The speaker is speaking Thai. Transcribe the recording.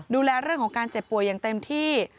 ดูแลเรื่องของการเจ็บป่วยอย่างเต็มที่